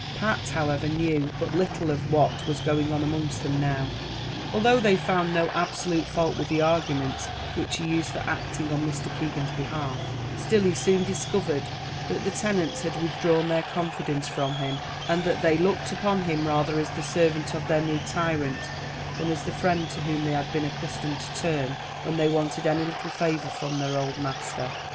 Pat, however, knew but little of what was going on amongst them now. Although they found no absolute fault with the arguments which he used for acting on Mr. Keegan's behalf, still he soon discovered that the tenants had withdrawn their confidence from him, and that they looked upon him rather as the servant of their new tyrant, than as the friend to whom they had been accustomed to turn, when they wanted any little favour from their old master.